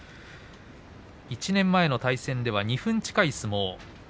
１年前の対戦では２分近い相撲。